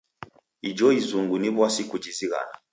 Ijo izungu ni w'asi kujizighana.